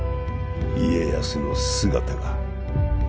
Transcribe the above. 家康の姿が。